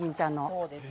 そうですね。